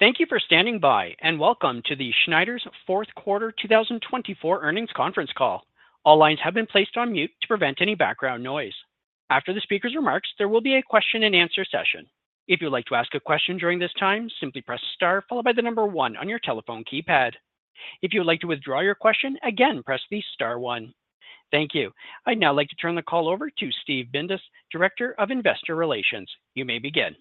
Thank you for standing by, and welcome to the Schneider's fourth quarter 2024 earnings conference call. All lines have been placed on mute to prevent any background noise. After the speaker's remarks, there will be a question-and-answer session. If you'd like to ask a question during this time, simply press star followed by the number one on your telephone keypad. If you'd like to withdraw your question, again, press the star one. Thank you. I'd now like to turn the call over to Steve Bindas, Director of Investor Relations. You may begin.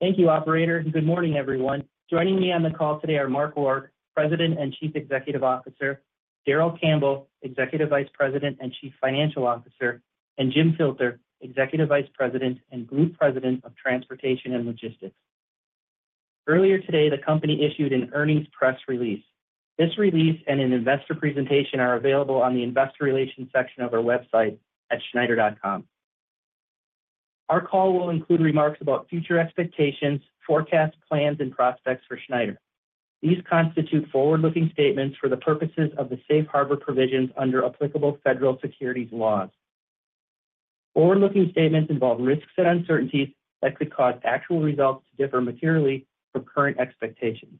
Thank you, operators. Good morning, everyone. Joining me on the call today are Mark Rourke, President and Chief Executive Officer, Darrell Campbell, Executive Vice President and Chief Financial Officer, and Jim Filter, Executive Vice President and Group President of Transportation and Logistics. Earlier today, the company issued an earnings press release. This release and an investor presentation are available on the investor relations section of our website at schneider.com. Our call will include remarks about future expectations, forecast plans, and prospects for Schneider. These constitute forward-looking statements for the purposes of the safe harbor provisions under applicable federal securities laws. Forward-looking statements involve risks and uncertainties that could cause actual results to differ materially from current expectations.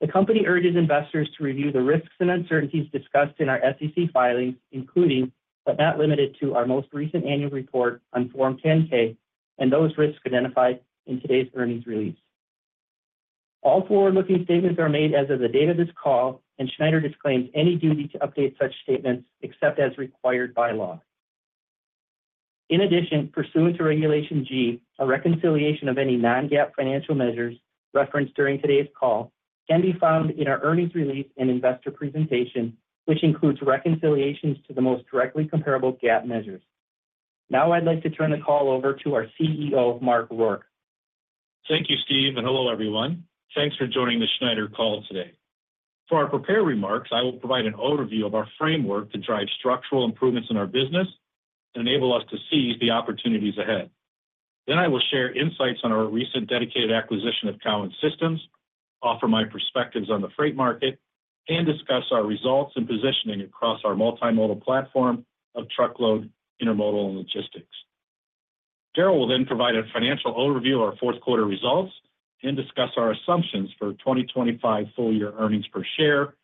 The company urges investors to review the risks and uncertainties discussed in our SEC filings, including, but not limited to, our most recent annual report on Form 10-K and those risks identified in today's earnings release. All forward-looking statements are made as of the date of this call, and Schneider disclaims any duty to update such statements except as required by law. In addition, pursuant to Regulation G, a reconciliation of any non-GAAP financial measures referenced during today's call can be found in our earnings release and investor presentation, which includes reconciliations to the most directly comparable GAAP measures. Now, I'd like to turn the call over to our CEO, Mark Rourke. Thank you, Steve, and hello, everyone. Thanks for joining the Schneider call today. For our prepared remarks, I will provide an overview of our framework to drive structural improvements in our business and enable us to seize the opportunities ahead. Then I will share insights on our recent dedicated acquisition of Cowan Systems, offer my perspectives on the freight market, and discuss our results and positioning across our multimodal platform of truckload, intermodal, and logistics. Darrell will then provide a financial overview of our fourth quarter results and discuss our assumptions for 2025 full-year earnings per share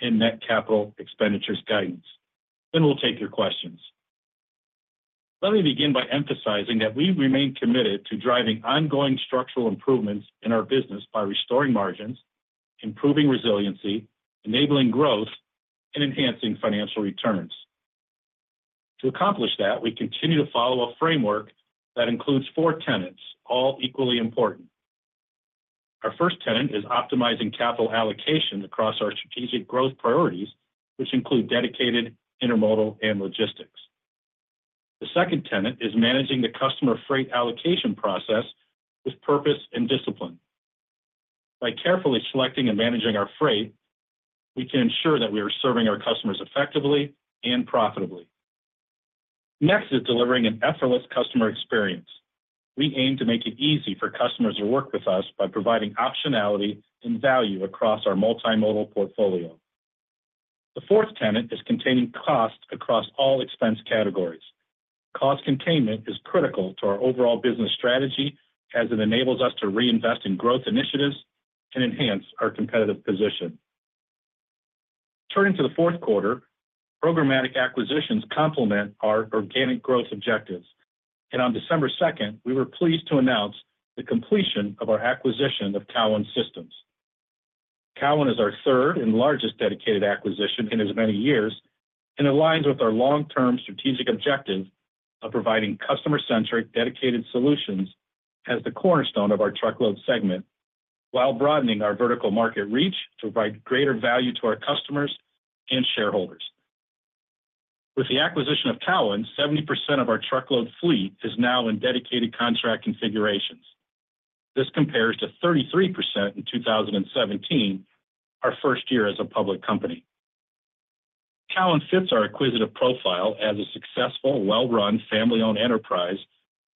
and net capital expenditures guidance. Then we'll take your questions. Let me begin by emphasizing that we remain committed to driving ongoing structural improvements in our business by restoring margins, improving resiliency, enabling growth, and enhancing financial returns. To accomplish that, we continue to follow a framework that includes four tenets, all equally important. Our first tenet is optimizing capital allocation across our strategic growth priorities, which include dedicated, intermodal, and logistics. The second tenet is managing the customer freight allocation process with purpose and discipline. By carefully selecting and managing our freight, we can ensure that we are serving our customers effectively and profitably. Next is delivering an effortless customer experience. We aim to make it easy for customers to work with us by providing optionality and value across our multi-modal portfolio. The fourth tenet is containing cost across all expense categories. Cost containment is critical to our overall business strategy as it enables us to reinvest in growth initiatives and enhance our competitive position. Turning to the fourth quarter, programmatic acquisitions complement our organic growth objectives. On December 2nd, we were pleased to announce the completion of our acquisition of Cowan Systems. Cowan is our third and largest dedicated acquisition in as many years and aligns with our long-term strategic objective of providing customer-centric dedicated solutions as the cornerstone of our truckload segment while broadening our vertical market reach to provide greater value to our customers and shareholders. With the acquisition of Cowan, 70% of our truckload fleet is now in dedicated contract configurations. This compares to 33% in 2017, our first year as a public company. Cowan fits our acquisitive profile as a successful, well-run, family-owned enterprise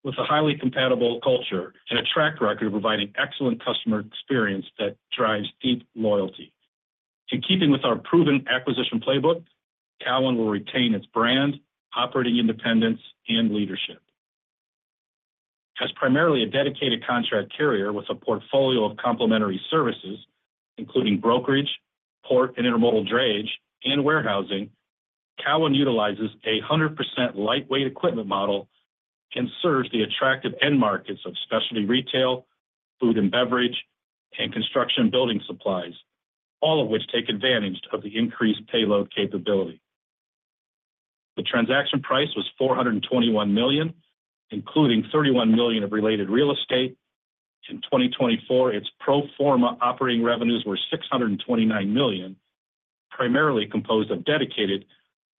with a highly compatible culture and a track record of providing excellent customer experience that drives deep loyalty. In keeping with our proven acquisition playbook, Cowan will retain its brand, operating independence, and leadership. As primarily a dedicated contract carrier with a portfolio of complementary services, including brokerage, port and intermodal drayage, and warehousing, Cowan utilizes a 100% lightweight equipment model and serves the attractive end markets of specialty retail, food and beverage, and construction building supplies, all of which take advantage of the increased payload capability. The transaction price was $421 million, including $31 million of related real estate. In 2024, its pro forma operating revenues were $629 million, primarily composed of dedicated,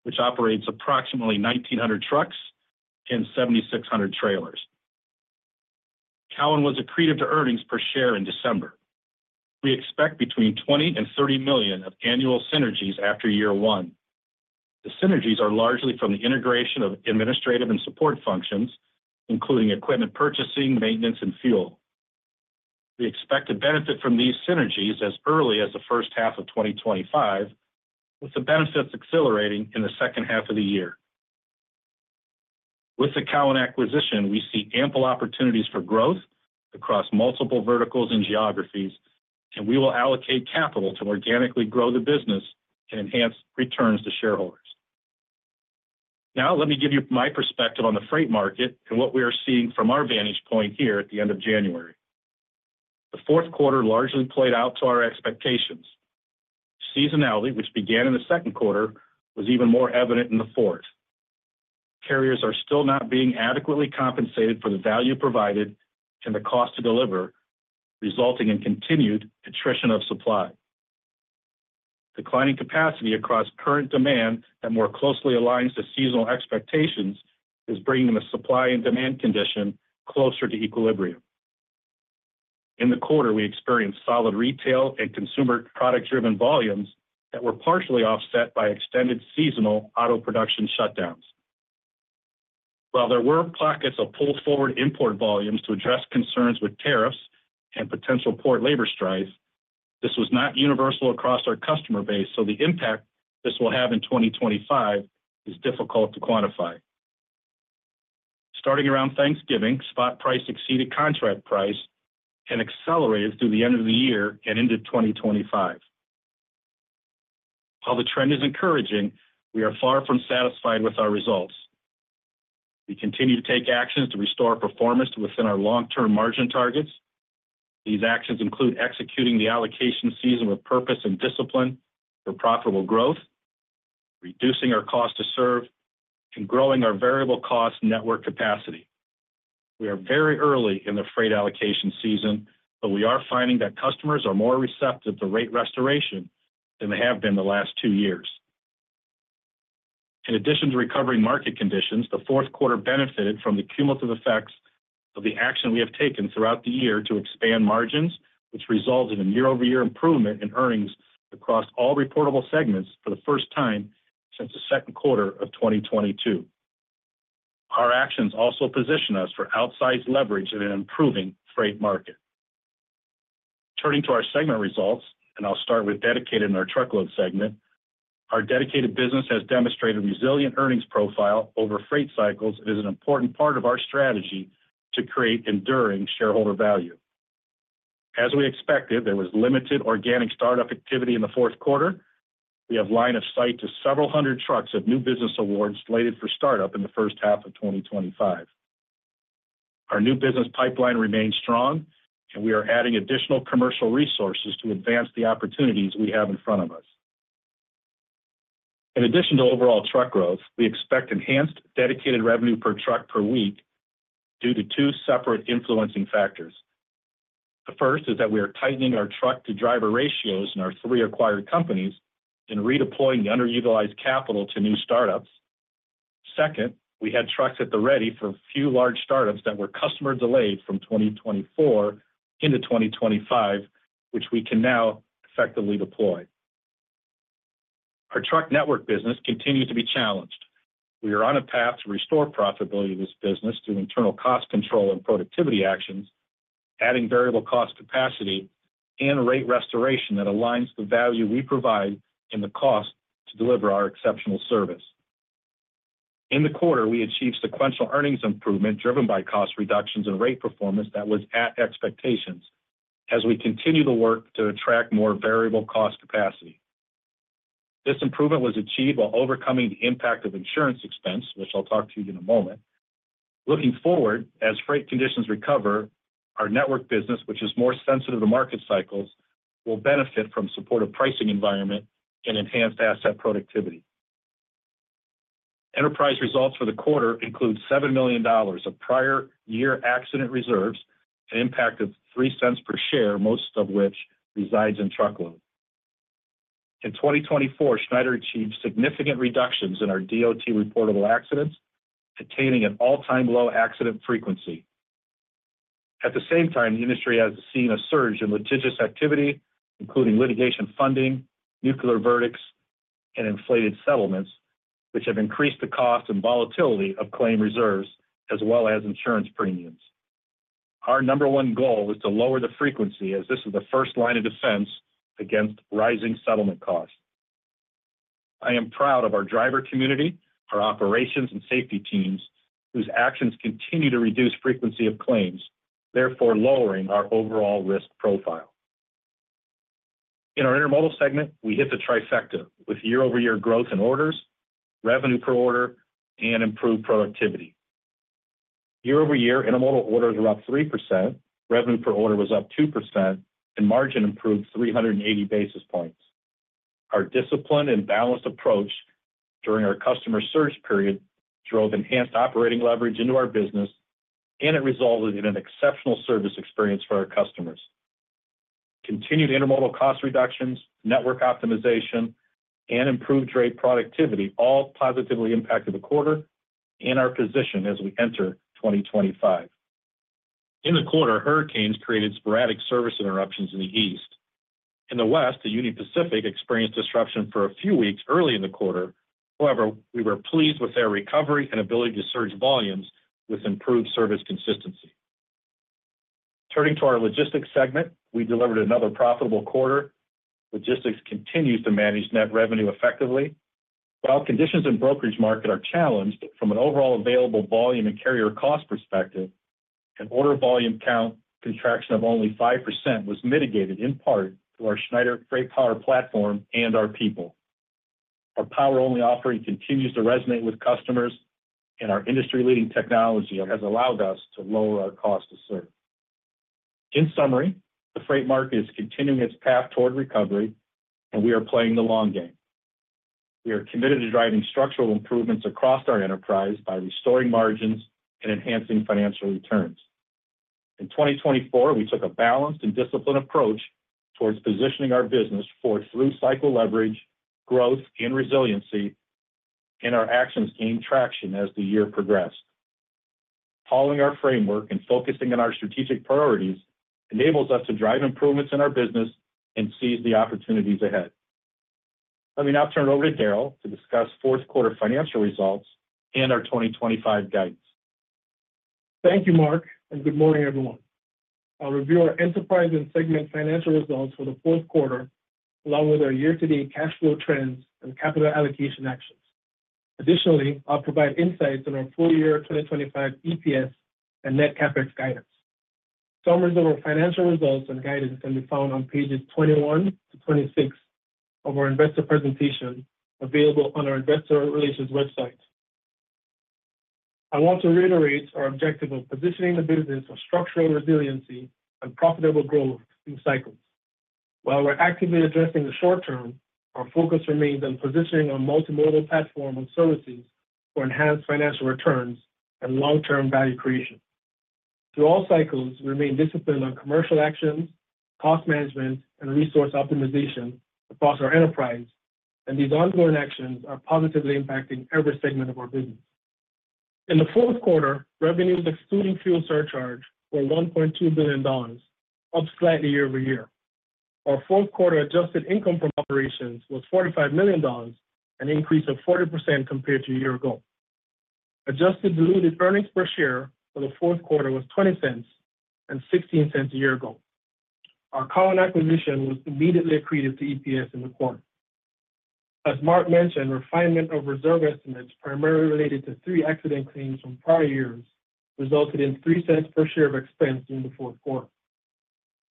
which operates approximately 1,900 trucks and 7,600 trailers. Cowan was accretive to earnings per share in December. We expect between $20 million and $30 million of annual synergies after year one. The synergies are largely from the integration of administrative and support functions, including equipment purchasing, maintenance, and fuel. We expect to benefit from these synergies as early as the first half of 2025, with the benefits accelerating in the second half of the year. With the Cowan acquisition, we see ample opportunities for growth across multiple verticals and geographies, and we will allocate capital to organically grow the business and enhance returns to shareholders. Now, let me give you my perspective on the freight market and what we are seeing from our vantage point here at the end of January. The fourth quarter largely played out to our expectations. Seasonality, which began in the second quarter, was even more evident in the fourth. Carriers are still not being adequately compensated for the value provided and the cost to deliver, resulting in continued attrition of supply. Declining capacity across current demand that more closely aligns to seasonal expectations is bringing the supply and demand condition closer to equilibrium. In the quarter, we experienced solid retail and consumer product-driven volumes that were partially offset by extended seasonal auto production shutdowns. While there were pockets of pull-forward import volumes to address concerns with tariffs and potential port labor strife, this was not universal across our customer base, so the impact this will have in 2025 is difficult to quantify. Starting around Thanksgiving, spot price exceeded contract price and accelerated through the end of the year and into 2025. While the trend is encouraging, we are far from satisfied with our results. We continue to take actions to restore performance within our long-term margin targets. These actions include executing the allocation season with purpose and discipline for profitable growth, reducing our cost to serve, and growing our variable cost network capacity. We are very early in the freight allocation season, but we are finding that customers are more receptive to rate restoration than they have been the last two years. In addition to recovering market conditions, the fourth quarter benefited from the cumulative effects of the action we have taken throughout the year to expand margins, which resulted in year-over-year improvement in earnings across all reportable segments for the first time since the second quarter of 2022. Our actions also position us for outsized leverage in an improving freight market. Turning to our segment results, and I'll start with dedicated in our truckload segment, our dedicated business has demonstrated a resilient earnings profile over freight cycles and is an important part of our strategy to create enduring shareholder value. As we expected, there was limited organic startup activity in the fourth quarter. We have line of sight to several hundred trucks of new business awards slated for startup in the first half of 2025. Our new business pipeline remains strong, and we are adding additional commercial resources to advance the opportunities we have in front of us. In addition to overall truck growth, we expect enhanced dedicated revenue per truck per week due to two separate influencing factors. The first is that we are tightening our truck-to-driver ratios in our three acquired companies and redeploying the underutilized capital to new startups. Second, we had trucks at the ready for a few large startups that were customer-delayed from 2024 into 2025, which we can now effectively deploy. Our truck network business continues to be challenged. We are on a path to restore profitability of this business through internal cost control and productivity actions, adding variable cost capacity and rate restoration that aligns the value we provide and the cost to deliver our exceptional service. In the quarter, we achieved sequential earnings improvement driven by cost reductions and rate performance that was at expectations as we continue the work to attract more variable cost capacity. This improvement was achieved while overcoming the impact of insurance expense, which I'll talk to you in a moment. Looking forward, as freight conditions recover, our network business, which is more sensitive to market cycles, will benefit from a supportive pricing environment and enhanced asset productivity. Enterprise results for the quarter include $7 million of prior year accident reserves, an impact of $0.03 per share, most of which resides in truckload. In 2024, Schneider achieved significant reductions in our DOT reportable accidents, attaining an all-time low accident frequency. At the same time, the industry has seen a surge in litigious activity, including litigation funding, nuclear verdicts, and inflated settlements, which have increased the cost and volatility of claim reserves as well as insurance premiums. Our number one goal is to lower the frequency as this is the first line of defense against rising settlement costs. I am proud of our driver community, our operations, and safety teams, whose actions continue to reduce frequency of claims, therefore lowering our overall risk profile. In our Intermodal segment, we hit the trifecta with year-over-year growth in orders, revenue per order, and improved productivity. Year-over-year, Intermodal orders were up 3%, revenue per order was up 2%, and margin improved 380 basis points. Our disciplined and balanced approach during our customer surge period drove enhanced operating leverage into our business, and it resulted in an exceptional service experience for our customers. Continued intermodal cost reductions, network optimization, and improved dray productivity all positively impacted the quarter and our position as we enter 2025. In the quarter, hurricanes created sporadic service interruptions in the East. In the West, the Union Pacific experienced disruption for a few weeks early in the quarter. However, we were pleased with their recovery and ability to surge volumes with improved service consistency. Turning to our logistics segment, we delivered another profitable quarter. Logistics continues to manage net revenue effectively. While conditions in brokerage market are challenged from an overall available volume and carrier cost perspective, an order volume count contraction of only 5% was mitigated in part through our Schneider FreightPower platform and our people. Our power-only offering continues to resonate with customers, and our industry-leading technology has allowed us to lower our cost to serve. In summary, the freight market is continuing its path toward recovery, and we are playing the long game. We are committed to driving structural improvements across our enterprise by restoring margins and enhancing financial returns. In 2024, we took a balanced and disciplined approach towards positioning our business for through-cycle leverage, growth, and resiliency, and our actions gained traction as the year progressed. Following our framework and focusing on our strategic priorities enables us to drive improvements in our business and seize the opportunities ahead. Let me now turn it over to Darrell to discuss fourth quarter financial results and our 2025 guidance. Thank you, Mark, and good morning, everyone. I'll review our enterprise and segment financial results for the fourth quarter, along with our year-to-date cash flow trends and capital allocation actions. Additionally, I'll provide insights on our full year 2025 EPS and net CapEx guidance. Summaries of our financial results and guidance can be found on pages 21 to 26 of our investor presentation available on our investor relations website. I want to reiterate our objective of positioning the business for structural resiliency and profitable growth through cycles. While we're actively addressing the short term, our focus remains on positioning on multimodal platforms and services for enhanced financial returns and long-term value creation. Through all cycles, we remain disciplined on commercial actions, cost management, and resource optimization across our enterprise, and these ongoing actions are positively impacting every segment of our business. In the fourth quarter, revenues excluding fuel surcharge were $1.2 billion, up slightly year-over-year. Our fourth quarter adjusted income from operations was $45 million, an increase of 40% compared to a year ago. Adjusted diluted earnings per share for the fourth quarter was $0.20 and $0.16 a year ago. Our Cowan acquisition was immediately accretive to EPS in the quarter. As Mark mentioned, refinement of reserve estimates primarily related to three accident claims from prior years resulted in $0.03 per share of expense during the fourth quarter.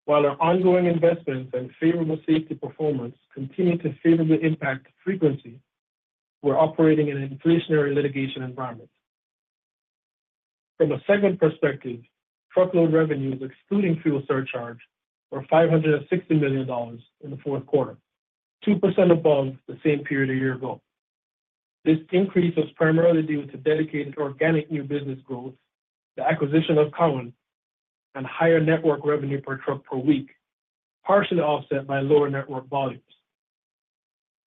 While our ongoing investments and favorable safety performance continue to favorably impact frequency, we're operating in an inflationary litigation environment. From a segment perspective, truckload revenues excluding fuel surcharge were $560 million in the fourth quarter, 2% above the same period a year ago. This increase was primarily due to dedicated organic new business growth, the acquisition of Cowan, and higher network revenue per truck per week, partially offset by lower network volumes.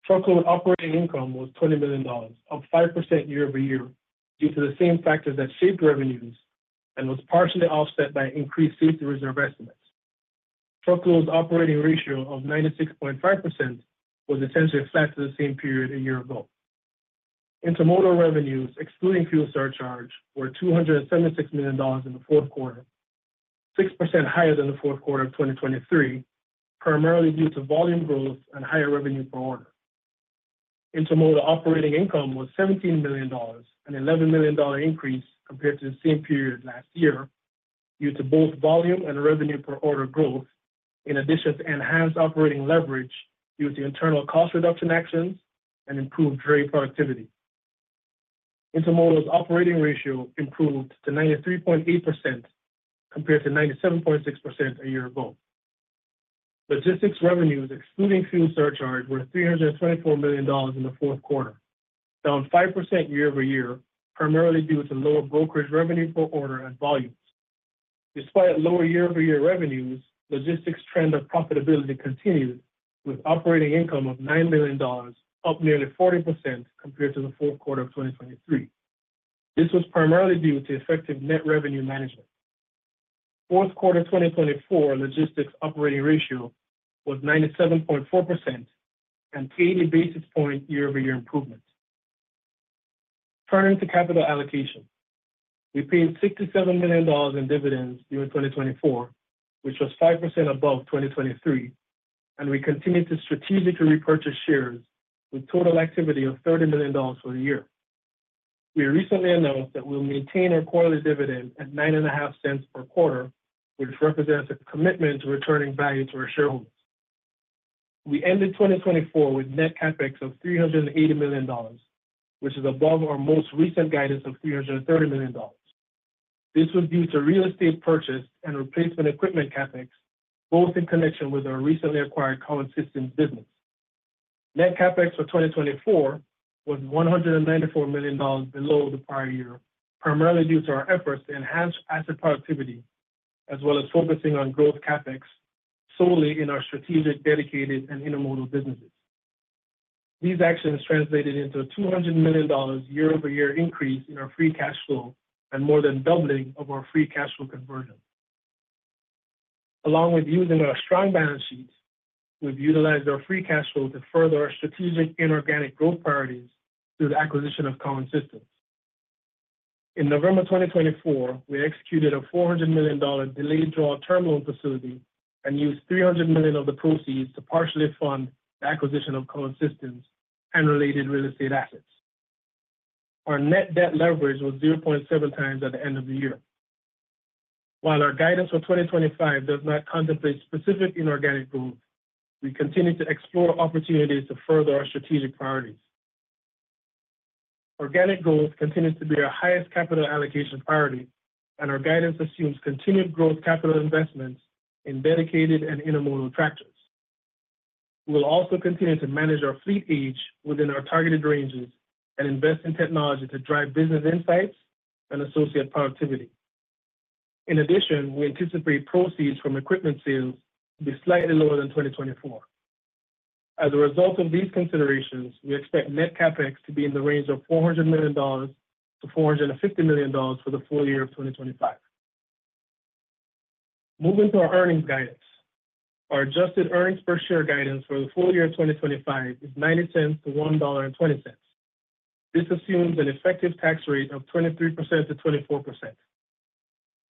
Truckload operating income was $20 million, up 5% year over year due to the same factors that shaped revenues and was partially offset by increased safety reserve estimates. Truckload's operating ratio of 96.5% was essentially flat to the same period a year ago. Intermodal revenues excluding fuel surcharge were $276 million in the fourth quarter, 6% higher than the fourth quarter of 2023, primarily due to volume growth and higher revenue per order. Intermodal operating income was $17 million, an $11 million increase compared to the same period last year due to both volume and revenue per order growth, in addition to enhanced operating leverage due to internal cost reduction actions and improved dray productivity. Intermodal's operating ratio improved to 93.8% compared to 97.6% a year ago. Logistics revenues excluding fuel surcharge were $324 million in the fourth quarter, down 5% year-over-year, primarily due to lower brokerage revenue per order and volumes. Despite lower year-over-year revenues, logistics trend of profitability continued with operating income of $9 million, up nearly 40% compared to the fourth quarter of 2023. This was primarily due to effective net revenue management. Fourth quarter 2024 logistics operating ratio was 97.4%, an 80 basis points year-over-year improvement. Turning to capital allocation, we paid $67 million in dividends during 2024, which was 5% above 2023, and we continued to strategically repurchase shares with total activity of $30 million for the year. We recently announced that we will maintain our quarterly dividend at $0.95 per quarter, which represents a commitment to returning value to our shareholders. We ended 2024 with net CapEx of $380 million, which is above our most recent guidance of $330 million. This was due to real estate purchase and replacement equipment CapEx, both in connection with our recently acquired Cowan Systems business. Net CapEx for 2024 was $194 million below the prior year, primarily due to our efforts to enhance asset productivity as well as focusing on growth CapEx solely in our strategic dedicated and intermodal businesses. These actions translated into a $200 million year-over-year increase in our free cash flow and more than doubling of our free cash flow conversion. Along with using our strong balance sheet, we've utilized our free cash flow to further our strategic inorganic growth priorities through the acquisition of Cowan Systems. In November 2024, we executed a $400 million delayed draw term loan facility and used $300 million of the proceeds to partially fund the acquisition of Cowan Systems and related real estate assets. Our net debt leverage was 0.7x at the end of the year. While our guidance for 2025 does not contemplate specific inorganic growth, we continue to explore opportunities to further our strategic priorities. Organic growth continues to be our highest capital allocation priority, and our guidance assumes continued growth capital investments in dedicated and intermodal tractors. We will also continue to manage our fleet age within our targeted ranges and invest in technology to drive business insights and associate productivity. In addition, we anticipate proceeds from equipment sales to be slightly lower than 2024. As a result of these considerations, we expect net CapEx to be in the range of $400 million-$450 million for the full year of 2025. Moving to our earnings guidance, our adjusted earnings per share guidance for the full year of 2025 is $0.90-$1.20. This assumes an effective tax rate of 23%-24%.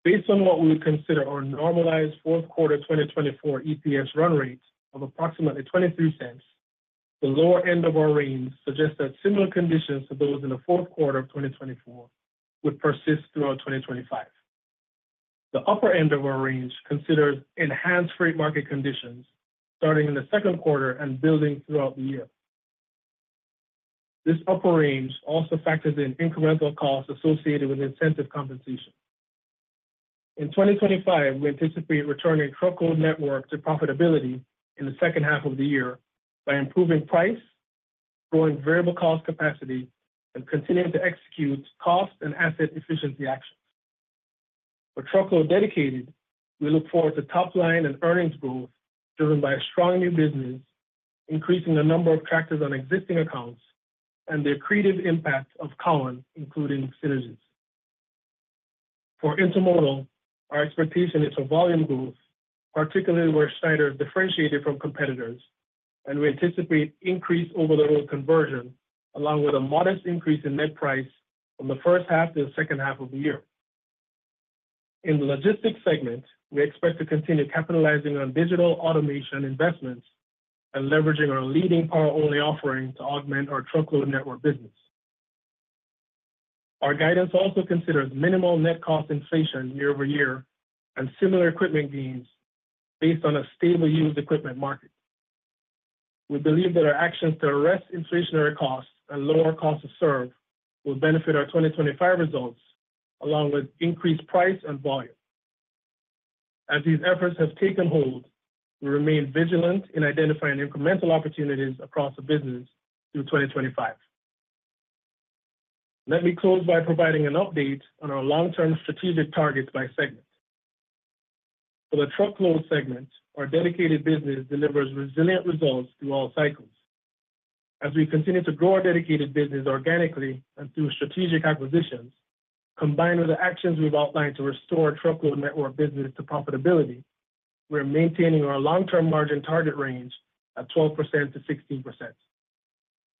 Based on what we would consider our normalized fourth quarter 2024 EPS run rate of approximately $0.23, the lower end of our range suggests that similar conditions to those in the fourth quarter of 2024 would persist throughout 2025. The upper end of our range considers enhanced freight market conditions starting in the second quarter and building throughout the year. This upper range also factors in incremental costs associated with incentive compensation. In 2025, we anticipate returning Truckload Network to profitability in the second half of the year by improving price, growing variable cost capacity, and continuing to execute cost and asset efficiency actions. For Truckload Dedicated, we look forward to top-line and earnings growth driven by a strong new business, increasing the number of tractors on existing accounts and the accretive impact of Cowan, including synergies. For Intermodal, our expectation is for volume growth, particularly where Schneider is differentiated from competitors, and we anticipate increased over-the-road conversion along with a modest increase in net price from the first half to the second half of the year. In the logistics segment, we expect to continue capitalizing on digital automation investments and leveraging our leading power-only offering to augment our Truckload Network business. Our guidance also considers minimal net cost inflation year over year and similar equipment gains based on a stable used equipment market. We believe that our actions to arrest inflationary costs and lower cost to serve will benefit our 2025 results along with increased price and volume. As these efforts have taken hold, we remain vigilant in identifying incremental opportunities across the business through 2025. Let me close by providing an update on our long-term strategic targets by segment. For the Truckload segment, our dedicated business delivers resilient results through all cycles. As we continue to grow our dedicated business organically and through strategic acquisitions, combined with the actions we've outlined to restore Truckload Network business to profitability, we are maintaining our long-term margin target range at 12%-16%.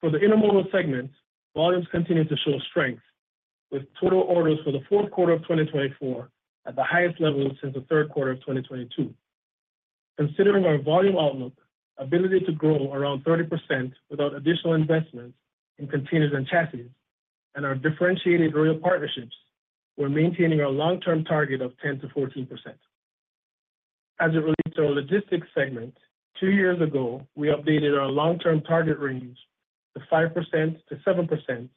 For the intermodal segment, volumes continue to show strength, with total orders for the fourth quarter of 2024 at the highest level since the third quarter of 2022. Considering our volume outlook, ability to grow around 30% without additional investments in containers and chassis, and our differentiated rail partnerships, we're maintaining our long-term target of 10%-14%. As it relates to our logistics segment, two years ago, we updated our long-term target range to 5%-7%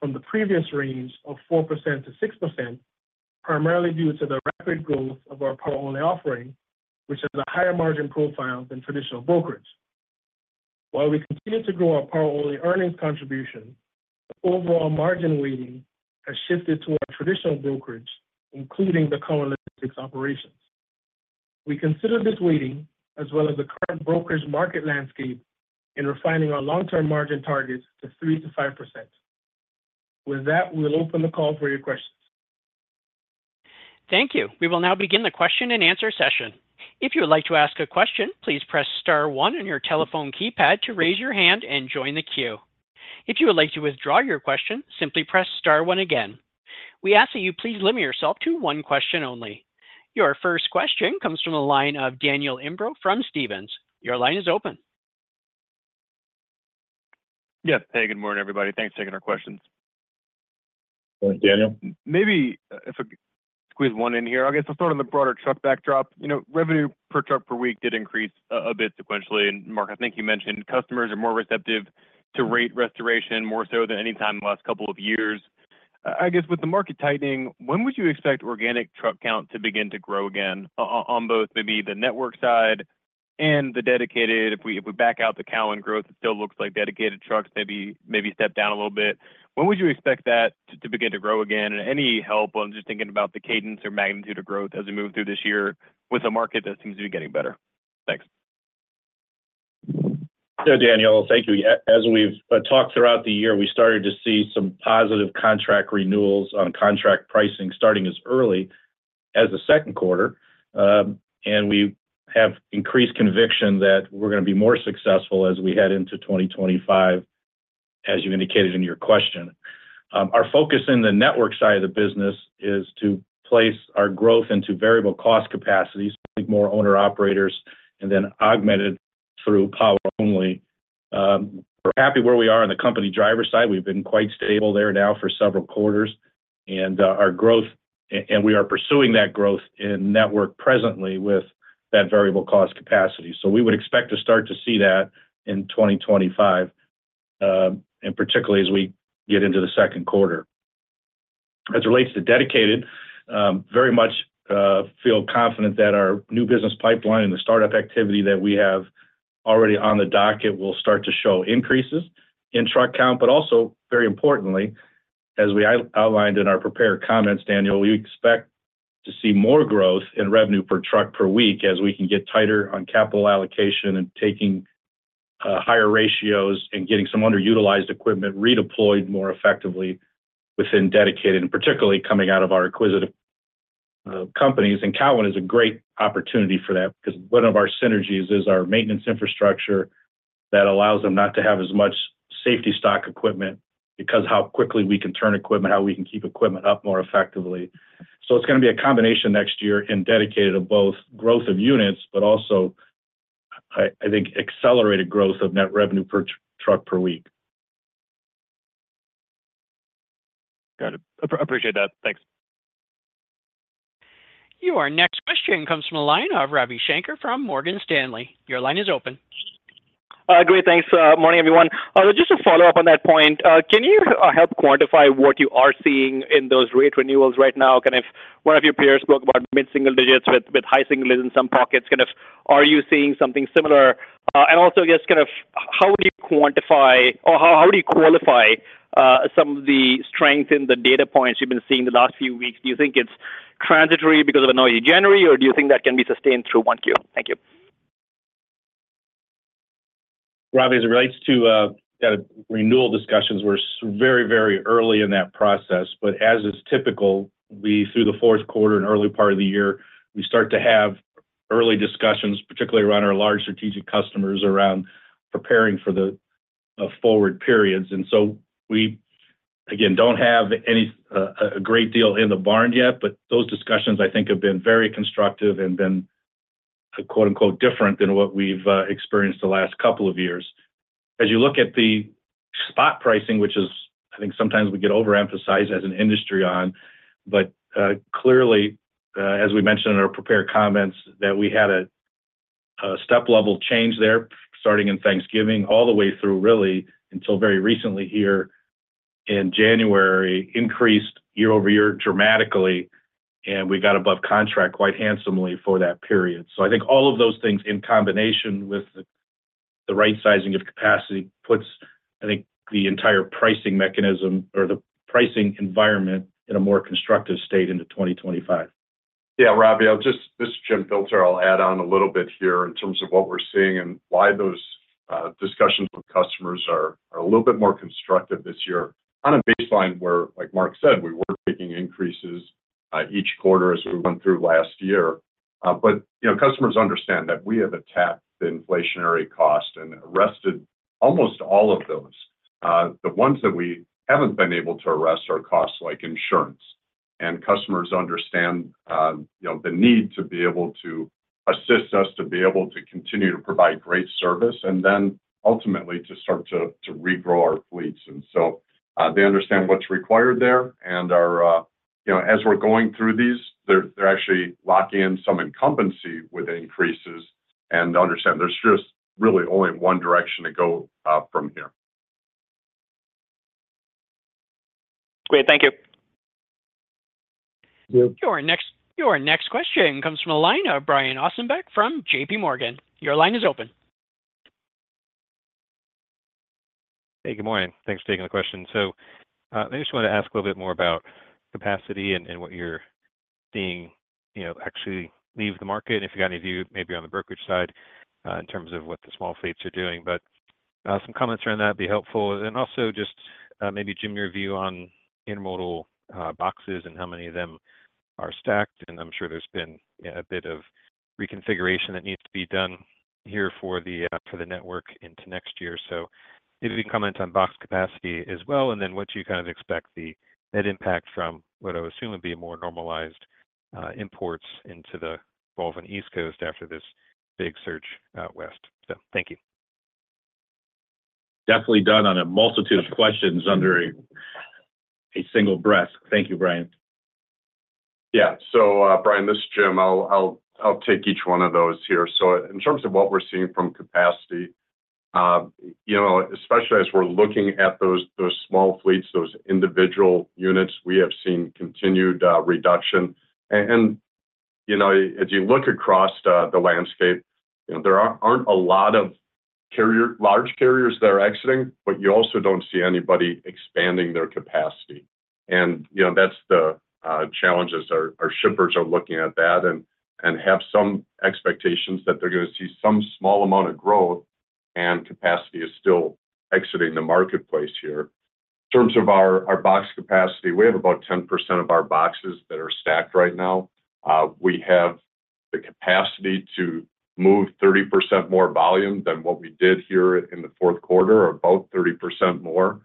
from the previous range of 4%-6%, primarily due to the rapid growth of our power-only offering, which has a higher margin profile than traditional brokerage. While we continue to grow our power-only earnings contribution, the overall margin weighting has shifted to our traditional brokerage, including the Cowan Logistics operations. We consider this weighting as well as the current brokerage market landscape in refining our long-term margin targets to 3%-5%. With that, we'll open the call for your questions. Thank you. We will now begin the question and answer session. If you would like to ask a question, please press star one on your telephone keypad to raise your hand and join the queue. If you would like to withdraw your question, simply press star one again. We ask that you please limit yourself to one question only. Your first question comes from the line of Daniel Imbro from Stephens. Your line is open. Yep. Hey, good morning, everybody. Thanks for taking our questions. Thanks, Daniel. Maybe if I squeeze one in here, I guess I'll start on the broader truck backdrop. Revenue per truck per week did increase a bit sequentially. And Mark, I think you mentioned customers are more receptive to rate restoration more so than any time in the last couple of years. I guess with the market tightening, when would you expect organic truck count to begin to grow again on both maybe the network side and the dedicated? If we back out the Cowan growth, it still looks like dedicated trucks maybe step down a little bit. When would you expect that to begin to grow again? And any help on just thinking about the cadence or magnitude of growth as we move through this year with a market that seems to be getting better? Thanks. Yeah, Daniel, thank you. As we've talked throughout the year, we started to see some positive contract renewals on contract pricing starting as early as the second quarter. We have increased conviction that we're going to be more successful as we head into 2025, as you indicated in your question. Our focus in the network side of the business is to place our growth into variable cost capacities, more owner-operators, and then augmented through power-only. We're happy where we are on the company driver side. We've been quite stable there now for several quarters. Our growth, and we are pursuing that growth in network presently with that variable cost capacity. We would expect to start to see that in 2025, and particularly as we get into the second quarter. As it relates to dedicated, very much feel confident that our new business pipeline and the startup activity that we have already on the docket will start to show increases in truck count, but also, very importantly, as we outlined in our prepared comments, Daniel, we expect to see more growth in revenue per truck per week as we can get tighter on capital allocation and taking higher ratios and getting some underutilized equipment redeployed more effectively within dedicated, and particularly coming out of our acquired companies. And Cowan is a great opportunity for that because one of our synergies is our maintenance infrastructure that allows them not to have as much safety stock equipment because how quickly we can turn equipment, how we can keep equipment up more effectively. So it's going to be a combination next year in dedicated of both growth of units, but also, I think, accelerated growth of net revenue per truck per week. Got it. Appreciate that. Thanks. Your next question comes from the line of Ravi Shanker from Morgan Stanley. Your line is open. Great. Thanks. Morning, everyone. Just to follow up on that point, can you help quantify what you are seeing in those rate renewals right now? Kind of one of your peers spoke about mid-single digits with high single digits in some pockets. Kind of are you seeing something similar? And also, I guess, kind of how would you quantify or how would you qualify some of the strength in the data points you've been seeing the last few weeks? Do you think it's transitory because of an early January, or do you think that can be sustained through Q1? Thank you. Ravi, as it relates to renewal discussions, we're very, very early in that process. But as is typical, through the fourth quarter and early part of the year, we start to have early discussions, particularly around our large strategic customers around preparing for the forward periods. And so we, again, don't have a great deal in the barn yet, but those discussions, I think, have been very constructive and been "different" than what we've experienced the last couple of years. As you look at the spot pricing, which is, I think, sometimes we get overemphasized as an industry on, but clearly, as we mentioned in our prepared comments, that we had a step-level change there starting in Thanksgiving all the way through, really, until very recently here in January, increased year-over-year dramatically, and we got above contract quite handsomely for that period. So I think all of those things in combination with the right sizing of capacity puts, I think, the entire pricing mechanism or the pricing environment in a more constructive state into 2025. Yeah, Ravi, just to jump in there, I'll add on a little bit here in terms of what we're seeing and why those discussions with customers are a little bit more constructive this year. On a baseline where, like Mark said, we were making increases each quarter as we went through last year. But customers understand that we have attacked the inflationary cost and arrested almost all of those. The ones that we haven't been able to arrest are costs like insurance. And customers understand the need to be able to assist us to be able to continue to provide great service and then ultimately to start to regrow our fleets. And so they understand what's required there. And as we're going through these, they're actually locking in some incumbency with increases and understand there's just really only one direction to go from here. Great. Thank you. Your next question comes from the line of Brian Ossenbeck from JPMorgan. Your line is open. Hey, good morning. Thanks for taking the question. So I just wanted to ask a little bit more about capacity and what you're seeing actually leave the market, and if you've got any view, maybe on the brokerage side in terms of what the small fleets are doing. But some comments around that would be helpful. And also just maybe give me your view on intermodal boxes and how many of them are stacked. And I'm sure there's been a bit of reconfiguration that needs to be done here for the network into next year. So maybe comments on box capacity as well, and then what you kind of expect the net impact from what I would assume would be more normalized imports into the Gulf Coast and East Coast after this big surge out west. So thank you. Definitely done on a multitude of questions under a single breath. Thank you, Brian. Yeah. So Brian, this is Jim. I'll take each one of those here. So in terms of what we're seeing from capacity, especially as we're looking at those small fleets, those individual units, we have seen continued reduction. And as you look across the landscape, there aren't a lot of large carriers that are exiting, but you also don't see anybody expanding their capacity. And that's the challenges our shippers are looking at that and have some expectations that they're going to see some small amount of growth, and capacity is still exiting the marketplace here. In terms of our box capacity, we have about 10% of our boxes that are stacked right now. We have the capacity to move 30% more volume than what we did here in the fourth quarter, about 30% more.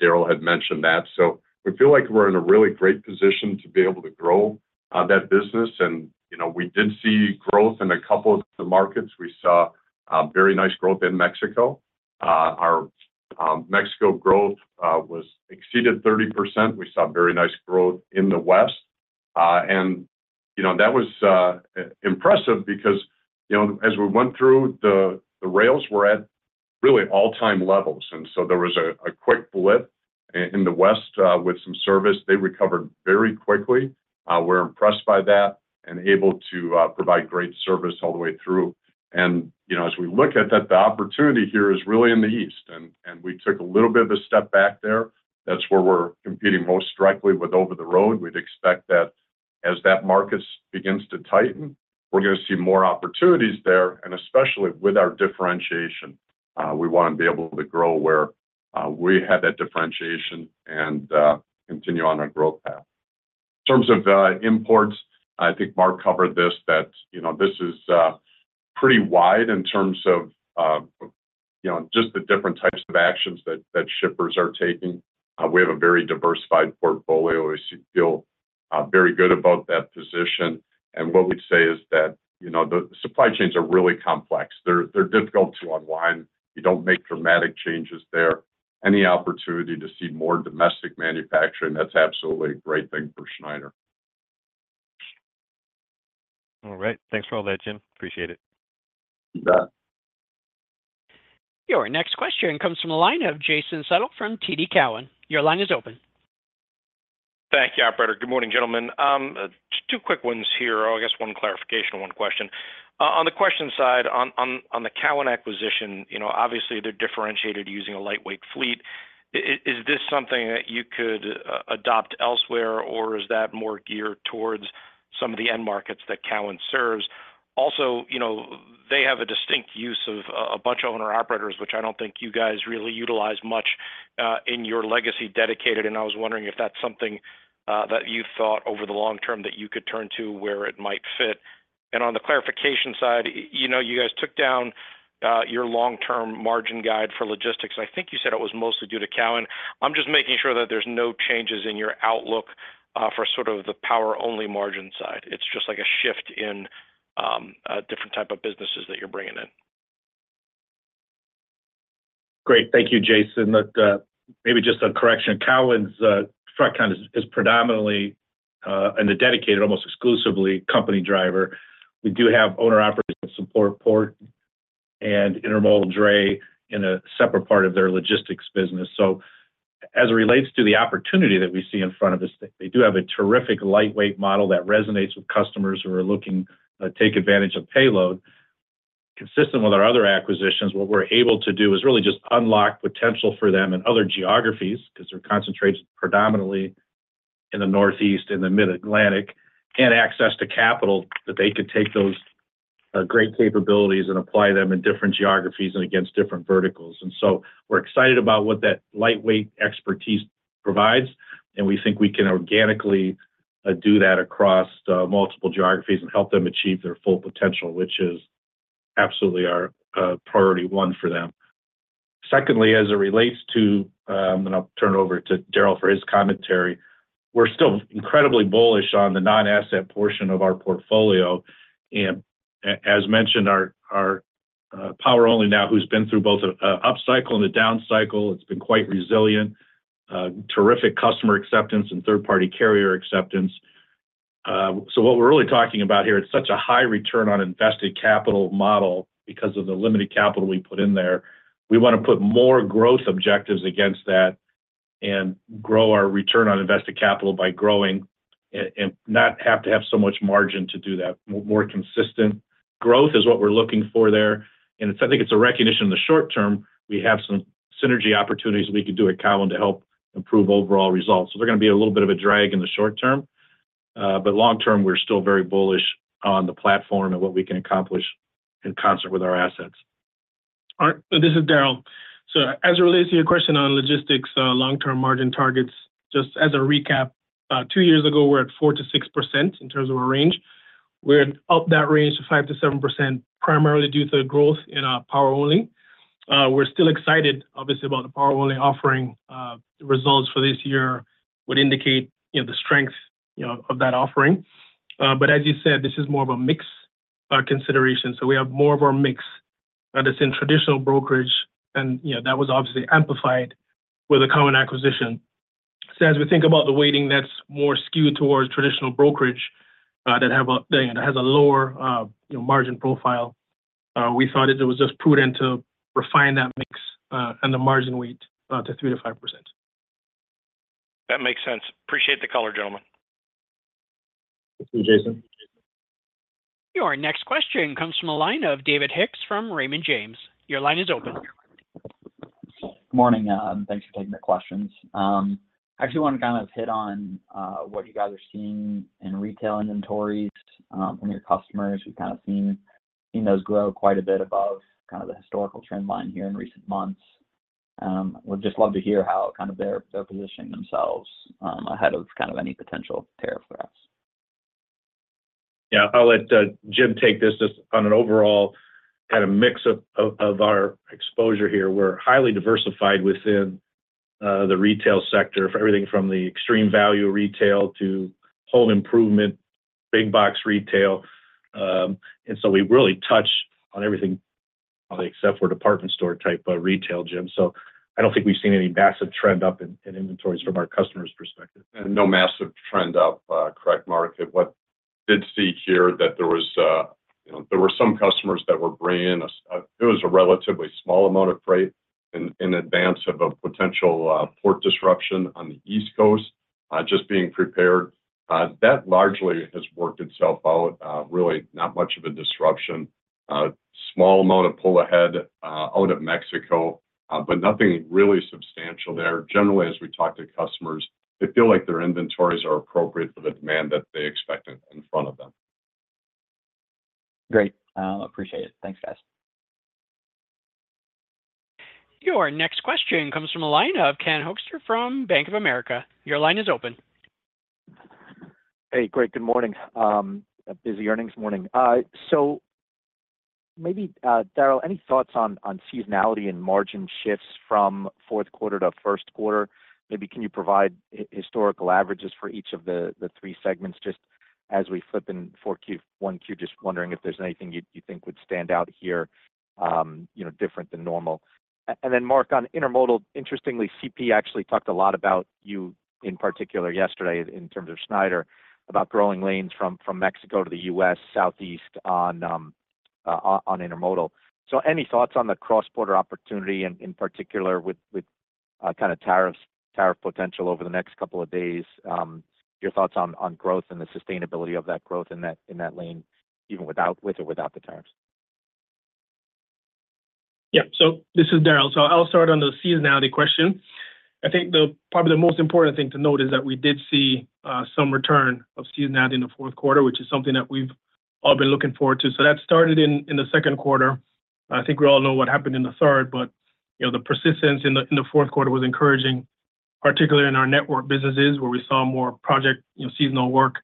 Darrell had mentioned that. So we feel like we're in a really great position to be able to grow that business. We did see growth in a couple of the markets. We saw very nice growth in Mexico. Our Mexico growth exceeded 30%. We saw very nice growth in the West. That was impressive because as we went through, the rails were at really all-time levels. So there was a quick blip in the West with some service. They recovered very quickly. We're impressed by that and able to provide great service all the way through. As we look at that, the opportunity here is really in the East. We took a little bit of a step back there. That's where we're competing most directly with over the road. We'd expect that as that market begins to tighten, we're going to see more opportunities there, and especially with our differentiation. We want to be able to grow where we have that differentiation and continue on our growth path. In terms of imports, I think Mark covered this, that this is pretty wide in terms of just the different types of actions that shippers are taking. We have a very diversified portfolio. We feel very good about that position, and what we'd say is that the supply chains are really complex. They're difficult to unwind. You don't make dramatic changes there. Any opportunity to see more domestic manufacturing, that's absolutely a great thing for Schneider. All right. Thanks for all that, Jim. Appreciate it. You bet. Your next question comes from the line of Jason Seidl from TD Cowen. Your line is open. Thank you, Alberto. Good morning, gentlemen. Two quick ones here. I guess one clarification, one question. On the question side, on the Cowan acquisition, obviously they're differentiated using a lightweight fleet. Is this something that you could adopt elsewhere, or is that more geared towards some of the end markets that Cowan serves? Also, they have a distinct use of a bunch of owner-operators, which I don't think you guys really utilize much in your legacy dedicated. And I was wondering if that's something that you thought over the long term that you could turn to where it might fit. And on the clarification side, you guys took down your long-term margin guide for logistics. I think you said it was mostly due to Cowan. I'm just making sure that there's no changes in your outlook for sort of the power-only margin side. It's just like a shift in a different type of businesses that you're bringing in. Great. Thank you, Jason. Maybe just a correction. Cowan's truck kind of is predominantly in the dedicated, almost exclusively company driver. We do have owner-operators at support port and Intermodal Dray in a separate part of their logistics business, so as it relates to the opportunity that we see in front of us, they do have a terrific lightweight model that resonates with customers who are looking to take advantage of payload. Consistent with our other acquisitions, what we're able to do is really just unlock potential for them in other geographies because they're concentrated predominantly in the Northeast, in the Mid-Atlantic, and access to capital that they could take those great capabilities and apply them in different geographies and against different verticals. And so we're excited about what that lightweight expertise provides, and we think we can organically do that across multiple geographies and help them achieve their full potential, which is absolutely our priority one for them. Secondly, as it relates to, and I'll turn it over to Darrell for his commentary, we're still incredibly bullish on the non-asset portion of our portfolio. And as mentioned, our power-only now, who's been through both an upcycle and a downcycle, it's been quite resilient, terrific customer acceptance and third-party carrier acceptance. So what we're really talking about here, it's such a high return on invested capital model because of the limited capital we put in there. We want to put more growth objectives against that and grow our return on invested capital by growing and not have to have so much margin to do that. More consistent growth is what we're looking for there, and I think it's a recognition in the short term. We have some synergy opportunities we could do at Cowan to help improve overall results, so they're going to be a little bit of a drag in the short term, but long-term, we're still very bullish on the platform and what we can accomplish in concert with our assets. All right. This is Darrell. As it relates to your question on logistics, long-term margin targets, just as a recap, two years ago, we're at 4%-6% in terms of our range. We're up that range to 5%-7% primarily due to the growth in our power-only. We're still excited, obviously, about the power-only offering. The results for this year would indicate the strength of that offering. But as you said, this is more of a mixed consideration. So we have more of our mix that is in traditional brokerage, and that was obviously amplified with a Cowan acquisition. So as we think about the weighting, that's more skewed towards traditional brokerage that has a lower margin profile. We thought it was just prudent to refine that mix and the margin weight to 3%-5%. That makes sense. Appreciate the color, gentlemen. Thank you, Jason. Your next question comes from the line of David Hicks from Raymond James. Your line is open. Good morning. Thanks for taking the questions. I actually want to kind of hit on what you guys are seeing in retail inventories from your customers. We've kind of seen those grow quite a bit above kind of the historical trend line here in recent months. We'd just love to hear how kind of they're positioning themselves ahead of kind of any potential tariff threats. Yeah. I'll let Jim take this just on an overall kind of mix of our exposure here. We're highly diversified within the retail sector, everything from the extreme value retail to home improvement, big box retail. And so we really touch on everything except for department store type retail, Jim. So I don't think we've seen any massive trend up in inventories from our customers' perspective. No massive trend up, correct, Mark? What we did see here is that there were some customers that were bringing in; it was a relatively small amount of freight in advance of a potential port disruption on the East Coast, just being prepared. That largely has worked itself out, really not much of a disruption. Small amount of pull ahead out of Mexico, but nothing really substantial there. Generally, as we talk to customers, they feel like their inventories are appropriate for the demand that they expect in front of them. Great. Appreciate it. Thanks, guys. Your next question comes from the line of Ken Hoexter from Bank of America. Your line is open. Hey, great. Good morning. Busy earnings morning. So maybe, Darrell, any thoughts on seasonality and margin shifts from fourth quarter to first quarter? Maybe can you provide historical averages for each of the three segments just as we flip in four Q, one Q, just wondering if there's anything you think would stand out here different than normal. And then, Mark, on intermodal, interestingly, CP actually talked a lot about you in particular yesterday in terms of Schneider, about growing lanes from Mexico to the U.S., Southeast on intermodal. So any thoughts on the cross-border opportunity in particular with kind of tariff potential over the next couple of days? Your thoughts on growth and the sustainability of that growth in that lane even with or without the tariffs? Yeah. So this is Darrell. So I'll start on the seasonality question. I think probably the most important thing to note is that we did see some return of seasonality in the fourth quarter, which is something that we've all been looking forward to. So that started in the second quarter. I think we all know what happened in the third, but the persistence in the fourth quarter was encouraging, particularly in our network businesses where we saw more project seasonal work,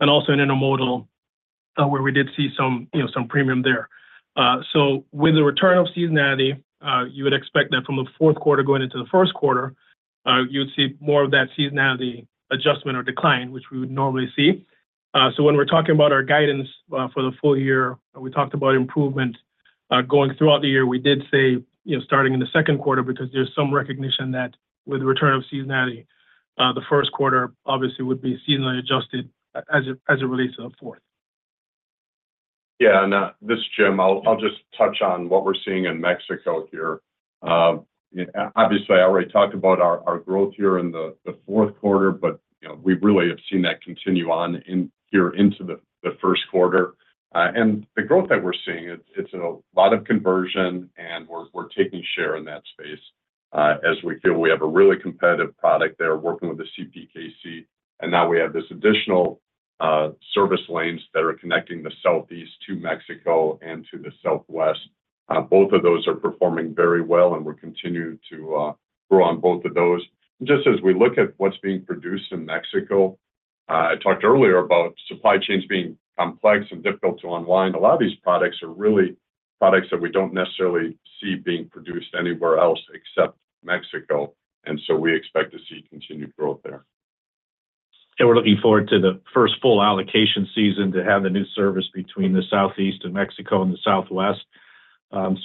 and also in intermodal where we did see some premium there. So with the return of seasonality, you would expect that from the fourth quarter going into the first quarter, you would see more of that seasonality adjustment or decline, which we would normally see. So when we're talking about our guidance for the full year, we talked about improvement going throughout the year. We did say starting in the second quarter because there's some recognition that with the return of seasonality, the first quarter obviously would be seasonally adjusted as it relates to the fourth. Yeah. And this is Jim. I'll just touch on what we're seeing in Mexico here. Obviously, I already talked about our growth here in the fourth quarter, but we really have seen that continue on here into the first quarter. The growth that we're seeing, it's a lot of conversion, and we're taking share in that space as we feel we have a really competitive product there working with the CPKC. Now we have these additional service lanes that are connecting the Southeast to Mexico and to the Southwest. Both of those are performing very well, and we're continuing to grow on both of those. Just as we look at what's being produced in Mexico, I talked earlier about supply chains being complex and difficult to unwind. A lot of these products are really products that we don't necessarily see being produced anywhere else except Mexico. So we expect to see continued growth there. We're looking forward to the first full allocation season to have the new service between the Southeast and Mexico and the Southwest.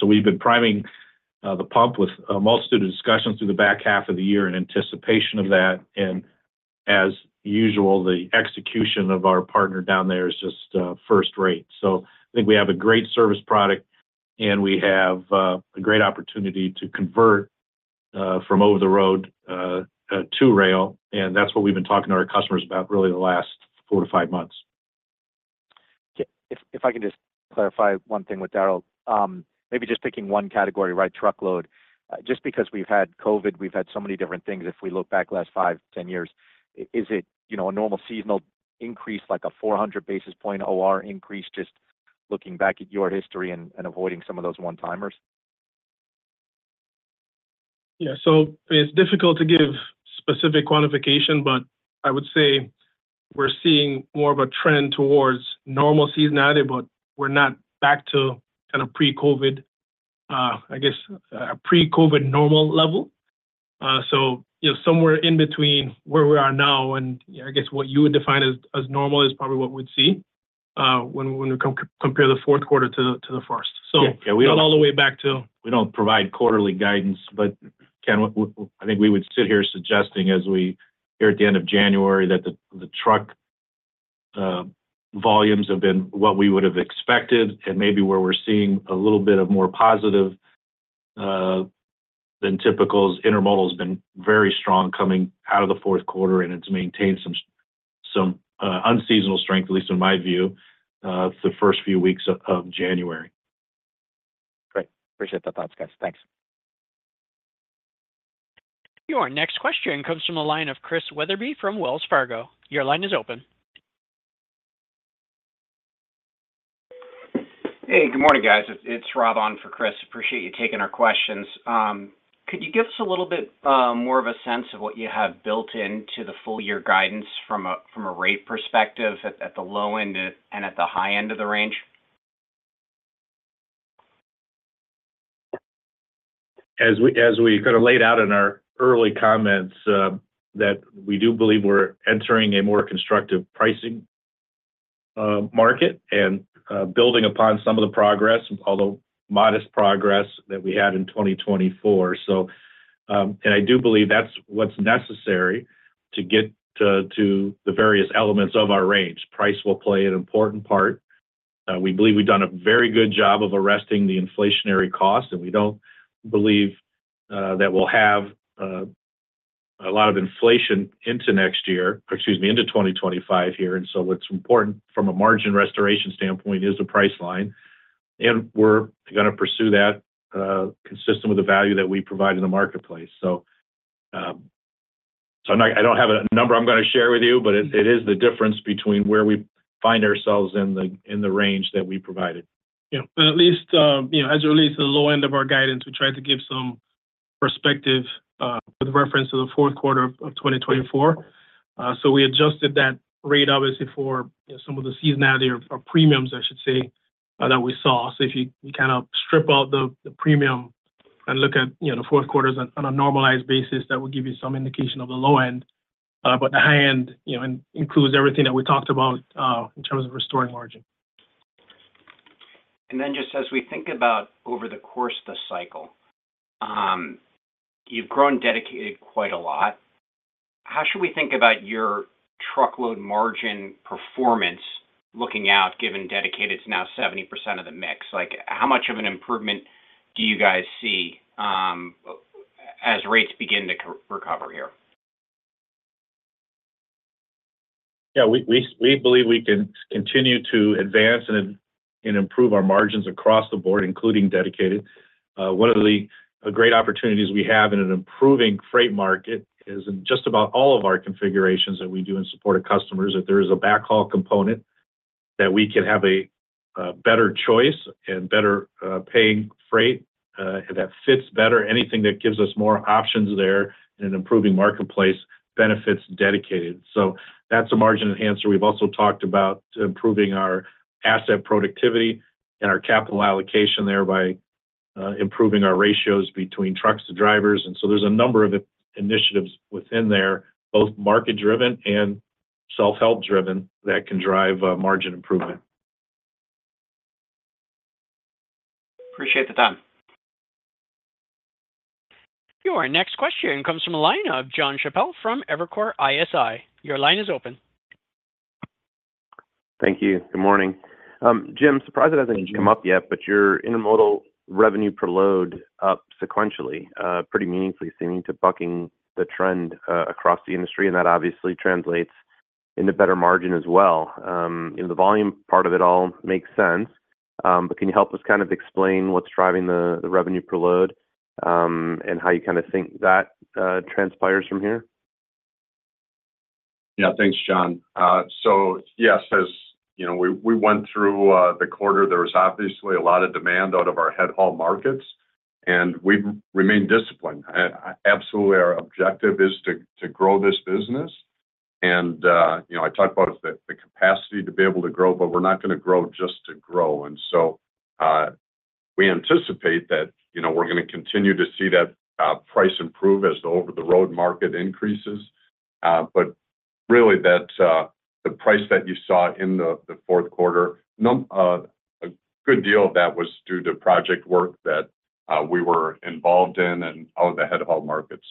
We've been priming the pump with most of the discussions through the back half of the year in anticipation of that. And as usual, the execution of our partner down there is just first rate. We have a great service product, and we have a great opportunity to convert from over the road to rail. And that's what we've been talking to our customers about really the last four to five months. If I can just clarify one thing with Darrell, maybe just picking one category, right, truckload. Just because we've had COVID, we've had so many different things. If we look back the last five, 10 years, is it a normal seasonal increase, like a 400 basis point OR increase, just looking back at your history and avoiding some of those one-timers? Yeah. So it's difficult to give specific quantification, but I would say we're seeing more of a trend towards normal seasonality, but we're not back to kind of pre-COVID, I guess, a pre-COVID normal level. So somewhere in between where we are now and I guess what you would define as normal is probably what we'd see when we compare the fourth quarter to the first. So not all the way back to. We don't provide quarterly guidance, but I think we would sit here suggesting as we hear at the end of January that the truck volumes have been what we would have expected, and maybe where we're seeing a little bit of more positive than typicals, intermodal has been very strong coming out of the fourth quarter, and it's maintained some unseasonal strength, at least in my view, the first few weeks of January. Great. Appreciate the thoughts, guys. Thanks. Your next question comes from the line of Chris Weatherbee from Wells Fargo. Your line is open. Hey, good morning, guys. It's Rob on for Chris. Appreciate you taking our questions. Could you give us a little bit more of a sense of what you have built into the full-year guidance from a rate perspective at the low end and at the high end of the range? As we kind of laid out in our early comments, we do believe we're entering a more constructive pricing market and building upon some of the progress, although modest progress, that we had in 2024, and I do believe that's what's necessary to get to the various elements of our range. Price will play an important part. We believe we've done a very good job of arresting the inflationary cost, and we don't believe that we'll have a lot of inflation into next year, excuse me, into 2025 here. And so what's important from a margin restoration standpoint is the price line. And we're going to pursue that consistent with the value that we provide in the marketplace. So I don't have a number I'm going to share with you, but it is the difference between where we find ourselves and the range that we provided. Yeah. And at least as it relates to the low end of our guidance, we tried to give some perspective with reference to the fourth quarter of 2024. So we adjusted that rate, obviously, for some of the seasonality or premiums, I should say, that we saw. So if you kind of strip out the premium and look at the fourth quarters on a normalized basis, that would give you some indication of the low end, but the high end includes everything that we talked about in terms of restoring margin. And then just as we think about over the course of the cycle, you've grown dedicated quite a lot. How should we think about your truckload margin performance looking out, given dedicated's now 70% of the mix? How much of an improvement do you guys see as rates begin to recover here? Yeah. We believe we can continue to advance and improve our margins across the board, including dedicated. One of the great opportunities we have in an improving freight market is in just about all of our configurations that we do in support of customers, that there is a backhaul component that we can have a better choice and better paying freight that fits better. Anything that gives us more options there in an improving marketplace benefits dedicated. So that's a margin enhancer. We've also talked about improving our asset productivity and our capital allocation there by improving our ratios between trucks to drivers. And so there's a number of initiatives within there, both market-driven and self-help-driven, that can drive margin improvement. Appreciate the time. Your next question comes from the line of Jon Chappell from Evercore ISI. Your line is open. Thank you. Good morning. Jim, surprised it hasn't come up yet, but your intermodal revenue per load up sequentially, pretty meaningfully, seeming to buck the trend across the industry, and that obviously translates into better margin as well. The volume part of it all makes sense, but can you help us kind of explain what's driving the revenue per load and how you kind of think that transpires from here? Yeah. Thanks, Jon. So yes, as we went through the quarter, there was obviously a lot of demand out of our headhaul markets, and we've remained disciplined. Absolutely, our objective is to grow this business. I talked about the capacity to be able to grow, but we're not going to grow just to grow. We anticipate that we're going to continue to see that price improve as the over-the-road market increases. But really, the price that you saw in the fourth quarter, a good deal of that was due to project work that we were involved in and out of the headhaul markets.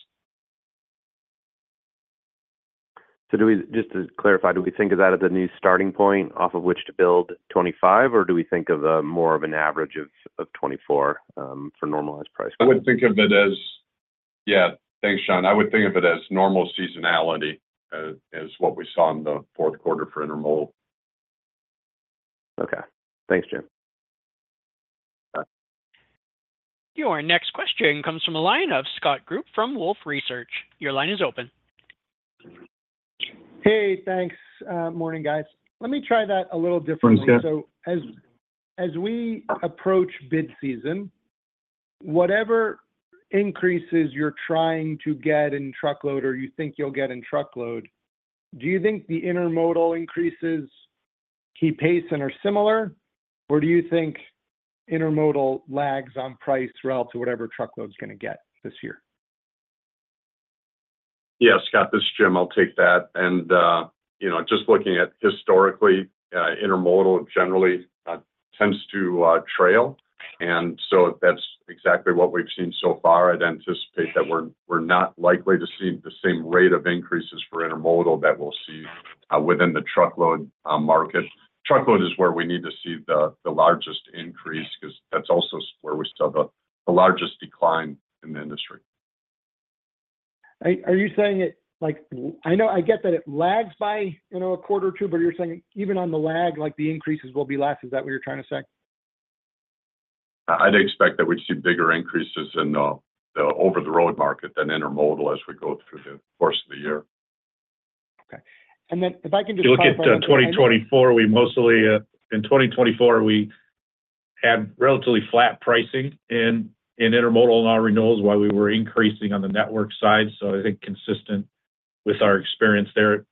So just to clarify, do we think of that as a new starting point off of which to build 25, or do we think of more of an average of 24 for normalized price? I would think of it as, yeah. Thanks, John. I would think of it as normal seasonality is what we saw in the fourth quarter for intermodal. Okay. Thanks, Jim. Your next question comes from the line of Scott Group from Wolfe Research. Your line is open. Hey, thanks. Morning, guys. Let me try that a little differently. As we approach bid season, whatever increases you're trying to get in truckload or you think you'll get in truckload, do you think the intermodal increases keep pace and are similar, or do you think intermodal lags on price relative to whatever truckload's going to get this year? Yeah, Scott, this is Jim. I'll take that. And just looking at historically, intermodal generally tends to trail. And so that's exactly what we've seen so far. I'd anticipate that we're not likely to see the same rate of increases for intermodal that we'll see within the truckload market. Truckload is where we need to see the largest increase because that's also where we saw the largest decline in the industry. Are you saying it like I know I get that it lags by a quarter or two, but you're saying even on the lag, the increases will be less? Is that what you're trying to say? I'd expect that we'd see bigger increases in the over-the-road market than intermodal as we go through the course of the year. Okay. And then if I can just. So look at 2024. In 2024, we had relatively flat pricing in intermodal and our renewals while we were increasing on the network side. So I think consistent with our experience there,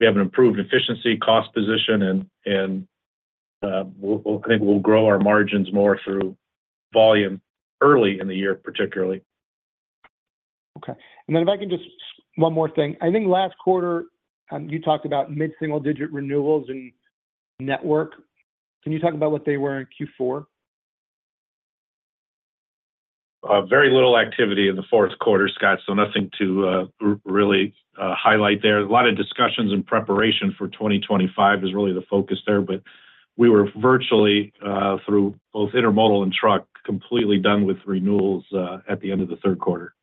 we have an improved efficiency, cost position, and I think we'll grow our margins more through volume early in the year, particularly. Okay. And then if I can just one more thing. I think last quarter, you talked about mid-single-digit renewals and network. Can you talk about what they were in Q4? Very little activity in the fourth quarter, Scott. So nothing to really highlight there. A lot of discussions and preparation for 2025 is really the focus there, but we were virtually, through both intermodal and truck, completely done with renewals at the end of the third quarter.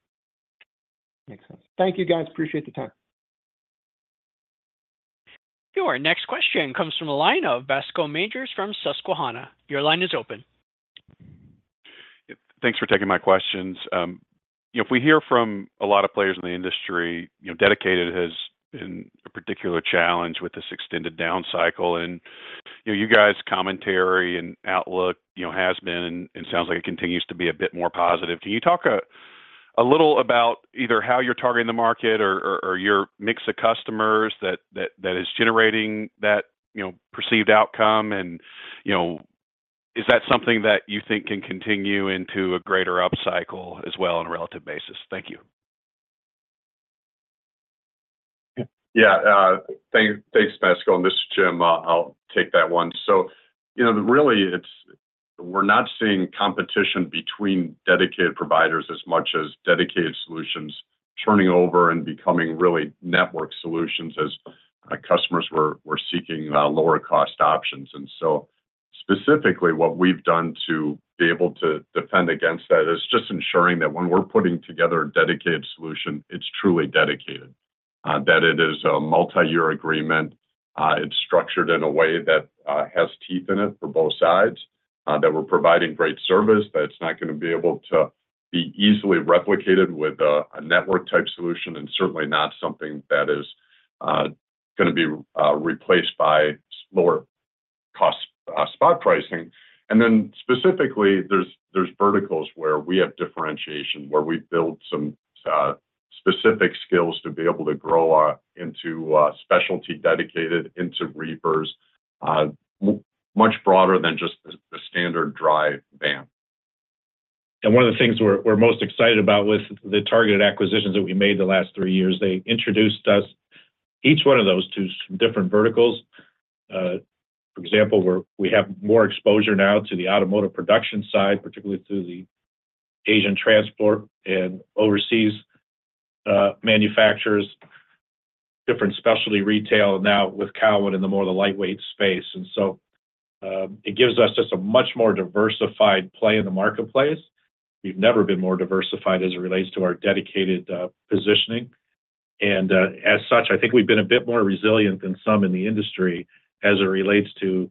Makes sense. Thank you, guys. Appreciate the time. Your next question comes from the line of Bascome Majors from Susquehanna. Your line is open. Thanks for taking my questions. If we hear from a lot of players in the industry, dedicated has been a particular challenge with this extended down cycle. And you guys' commentary and outlook has been, and sounds like it continues to be a bit more positive. Can you talk a little about either how you're targeting the market or your mix of customers that is generating that perceived outcome? And is that something that you think can continue into a greater up cycle as well on a relative basis? Thank you. Yeah. Thanks, Bascome. And this is Jim. I'll take that one. So really, we're not seeing competition between dedicated providers as much as dedicated solutions turning over and becoming really network solutions as customers were seeking lower-cost options. And so specifically, what we've done to be able to defend against that is just ensuring that when we're putting together a dedicated solution, it's truly dedicated, that it is a multi-year agreement, it's structured in a way that has teeth in it for both sides, that we're providing great service, that it's not going to be able to be easily replicated with a network-type solution, and certainly not something that is going to be replaced by lower-cost spot pricing. And then specifically, there's verticals where we have differentiation, where we build some specific skills to be able to grow into specialty dedicated, into reefers, much broader than just the standard dry van. One of the things we're most excited about with the targeted acquisitions that we made the last three years, they introduced us each one of those to different verticals. For example, we have more exposure now to the automotive production side, particularly through the Asian transport and overseas manufacturers, different specialty retail, now with Cowan in the more of the lightweight space. And so it gives us just a much more diversified play in the marketplace. We've never been more diversified as it relates to our dedicated positioning. And as such, I think we've been a bit more resilient than some in the industry as it relates to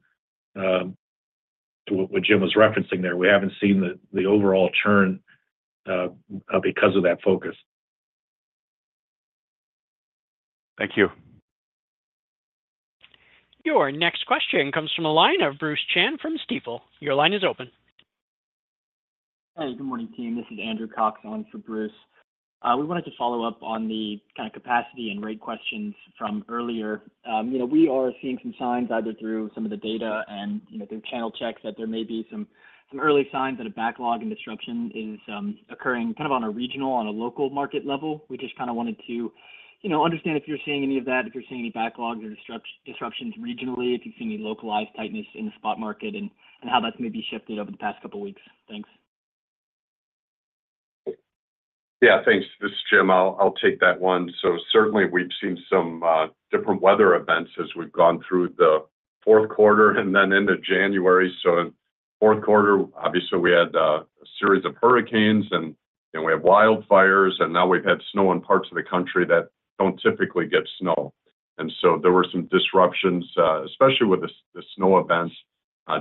what Jim was referencing there. We haven't seen the overall churn because of that focus. Thank you. Your next question comes from the line of Bruce Chan from Stifel. Your line is open. Hey, good morning, team. This is Andrew Cox on for Bruce. We wanted to follow up on the kind of capacity and rate questions from earlier. We are seeing some signs either through some of the data and through channel checks that there may be some early signs that a backlog and disruption is occurring kind of on a regional, on a local market level. We just kind of wanted to understand if you're seeing any of that, if you're seeing any backlogs or disruptions regionally, if you've seen any localized tightness in the spot market, and how that's maybe shifted over the past couple of weeks. Thanks. Yeah. Thanks. This is Jim. I'll take that one. So certainly, we've seen some different weather events as we've gone through the fourth quarter and then into January. In the fourth quarter, obviously, we had a series of hurricanes, and we had wildfires, and now we've had snow in parts of the country that don't typically get snow. And so there were some disruptions, especially with the snow events,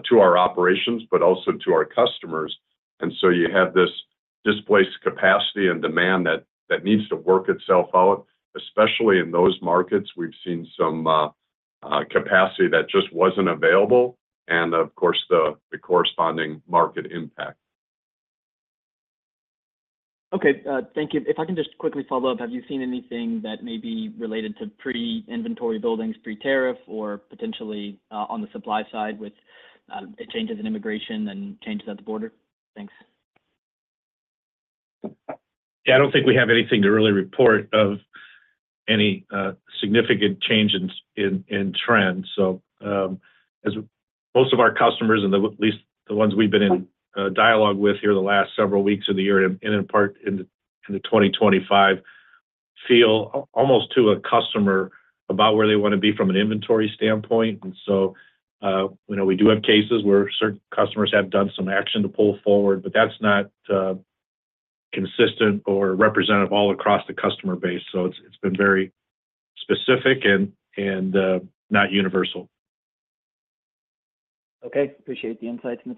to our operations, but also to our customers. And so you have this displaced capacity and demand that needs to work itself out, especially in those markets. We've seen some capacity that just wasn't available, and of course, the corresponding market impact. Okay. Thank you. If I can just quickly follow up, have you seen anything that may be related to pre-inventory buildups, pre-tariff, or potentially on the supply side with changes in immigration and changes at the border? Thanks. Yeah. I don't think we have anything to really report of any significant change in trends. So most of our customers, and at least the ones we've been in dialogue with here the last several weeks of the year, and in part in the 2025, feel almost to a customer about where they want to be from an inventory standpoint. And so we do have cases where certain customers have done some action to pull forward, but that's not consistent or representative all across the customer base. So it's been very specific and not universal. Okay. Appreciate the insights and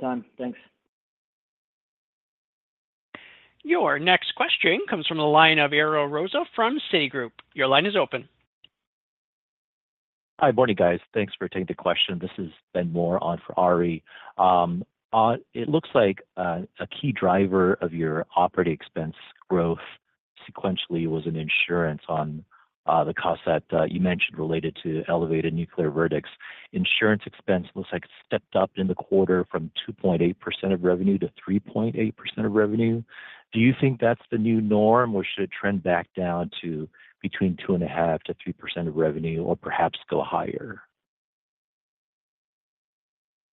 the time. Thanks. Your next question comes from the line of Ariel Rosa from Citi. Your line is open. Hi, morning, guys. Thanks for taking the question. This is Ben Mohr on for Ariel. It looks like a key driver of your operating expense growth sequentially was insurance on the cost that you mentioned related to elevated nuclear verdicts. Insurance expense looks like it stepped up in the quarter from 2.8% of revenue to 3.8% of revenue. Do you think that's the new norm, or should it trend back down to between 2.5%-3% of revenue, or perhaps go higher?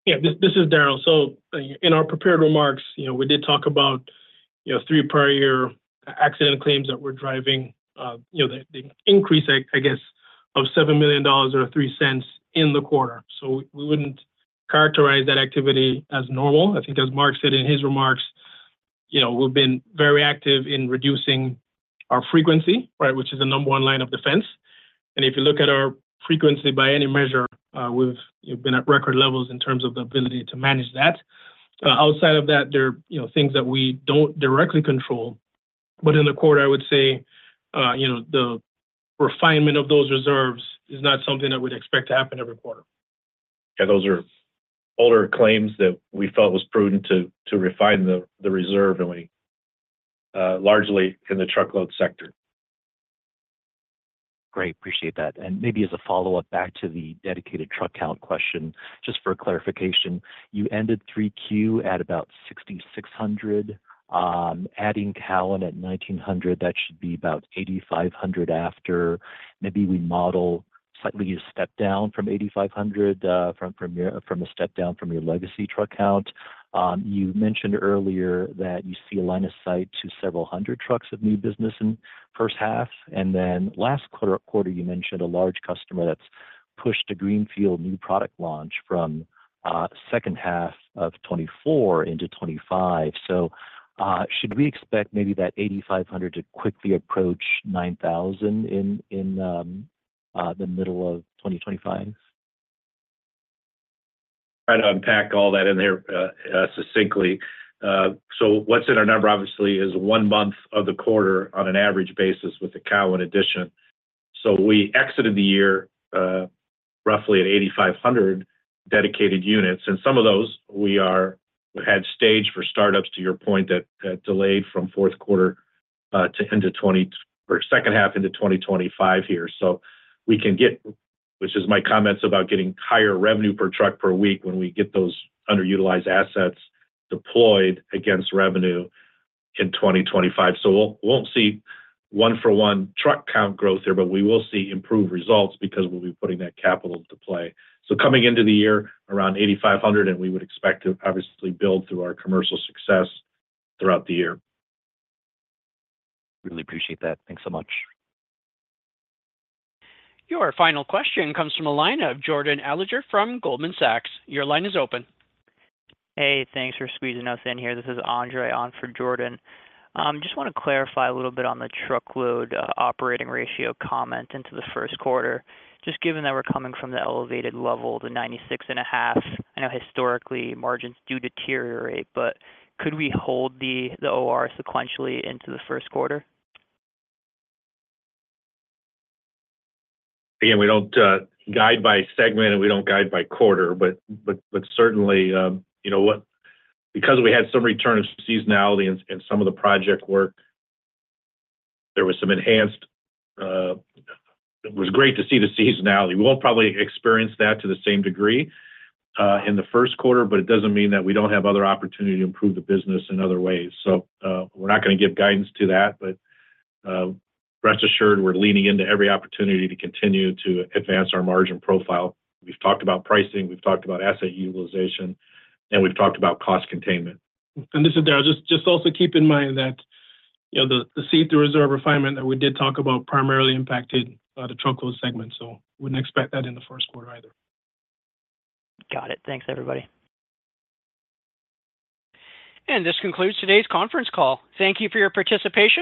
Yeah. This is Darrell. So in our prepared remarks, we did talk about three prior year accident claims that were driving the increase, I guess, of $7 million or $0.03 in the quarter. So we wouldn't characterize that activity as normal. I think, as Mark said in his remarks, we've been very active in reducing our frequency, right, which is the number one line of defense. And if you look at our frequency by any measure, we've been at record levels in terms of the ability to manage that. Outside of that, there are things that we don't directly control. But in the quarter, I would say the refinement of those reserves is not something that we'd expect to happen every quarter. Yeah. Those are older claims that we felt was prudent to refine the reserve largely in the truckload sector. Great. Appreciate that. And maybe as a follow-up back to the dedicated truck count question, just for clarification, you ended 3Q at about 6,600, adding Cowan at 1,900. That should be about 8,500 after maybe we model slightly a step down from 8,500 from a step down from your legacy truck count. You mentioned earlier that you see a line of sight to several hundred trucks of new business in the first half. And then last quarter, you mentioned a large customer that's pushed a greenfield new product launch from second half of 2024 into 2025. So should we expect maybe that 8,500 to quickly approach 9,000 in the middle of 2025? Try to unpack all that in there succinctly. So what's in our number, obviously, is one month of the quarter on an average basis with the Cowan addition. So we exited the year roughly at 8,500 dedicated units. And some of those we had staged for startups, to your point, that delayed from fourth quarter to end of 2024 or second half into 2025 here. So we can get, which is my comments about getting higher revenue per truck per week when we get those underutilized assets deployed against revenue in 2025. So we won't see one-for-one truck count growth here, but we will see improved results because we'll be putting that capital into play. So coming into the year, around 8,500, and we would expect to obviously build through our commercial success throughout the year. Really appreciate that. Thanks so much. Your final question comes from the line of Jordan Alliger from Goldman Sachs. Your line is open. Hey, thanks for squeezing us in here. This is Andre on for Jordan. Just want to clarify a little bit on the truckload operating ratio comment into the first quarter. Just given that we're coming from the elevated level, the 96.5, I know historically margins do deteriorate, but could we hold the OR sequentially into the first quarter? Again, we don't guide by segment, and we don't guide by quarter, but certainly, because we had some return of seasonality in some of the project work, there was some enhanced it was great to see the seasonality. We won't probably experience that to the same degree in the first quarter, but it doesn't mean that we don't have other opportunity to improve the business in other ways. So we're not going to give guidance to that, but rest assured, we're leaning into every opportunity to continue to advance our margin profile. We've talked about pricing. We've talked about asset utilization, and we've talked about cost containment. And this is Darrell. Just also keep in mind that the specific reserve refinement that we did talk about primarily impacted the truckload segment. So we wouldn't expect that in the first quarter either. Got it. Thanks, everybody. And this concludes today's conference call. Thank you for your participation.